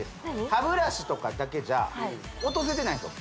歯ブラシとかだけじゃ落とせてないんですよ